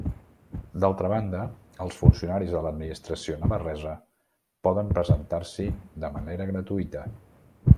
D'altra banda, els funcionaris de l'administració navarresa poden presentar-s'hi de manera gratuïta.